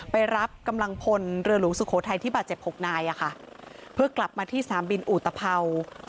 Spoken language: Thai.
ไปรับกำลังพลเรือหลวงสุโขทัยที่บาดเจ็บ๖นายเพื่อกลับมาที่สนามบินอุตภัวร์